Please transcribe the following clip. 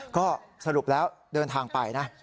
ก็สรุปแล้วเดินทางไปนะ